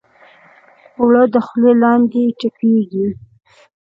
اوړه د خولې لاندې چپېږي